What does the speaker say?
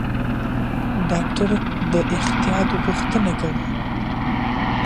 ډاکټر د احتیاط غوښتنه کوي.